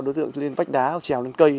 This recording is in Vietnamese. đối tượng lên vách đá hoặc chèo lên cây